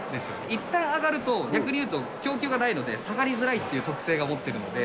いったん上がると、逆に言うと、供給がないので、下がりづらいという特性が持ってるので。